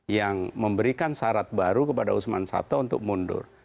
yang memberikan syarat baru kepada usman sabta untuk mundur